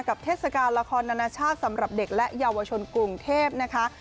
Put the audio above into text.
เทศกาลละครนานาชาติสำหรับเด็กและเยาวชนกรุงเทพนะคะ